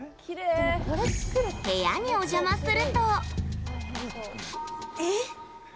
部屋にお邪魔すると。